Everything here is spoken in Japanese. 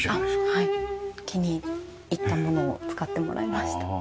気に入ったものを使ってもらいました。